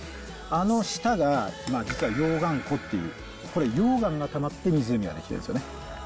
あの下が実は溶岩湖っていう、これ、溶岩がたまって湖が出来てるんですよね。